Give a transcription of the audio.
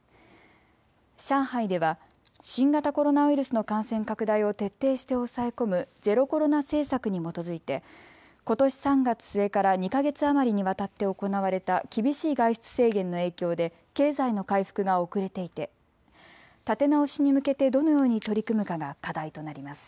上海では新型コロナウイルスの感染拡大を徹底して抑え込むゼロコロナ政策に基づいてことし３月末から２か月余りにわたって行われた厳しい外出制限の影響で経済の回復が遅れていて立て直しに向けてどのように取り組むかが課題となります。